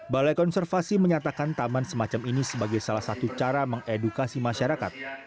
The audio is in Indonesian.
balai konservasi menyatakan taman semacam ini sebagai salah satu cara mengedukasi masyarakat